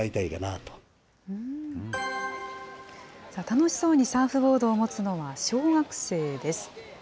楽しそうにサーフボードを持つのは、小学生です。